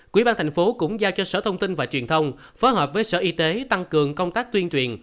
quỹ ban thành phố cũng giao cho sở thông tin và truyền thông phối hợp với sở y tế tăng cường công tác tuyên truyền